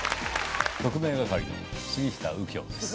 特命係の杉下右京です。